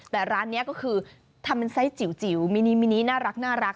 แต่ร้านนี้ก็คือทำเป็นไซสจิ๋วมินิมินิน่ารัก